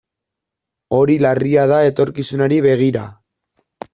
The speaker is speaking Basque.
Hori larria da etorkizunari begira.